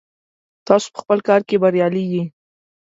تاسو په خپل کار کې بریالي یئ.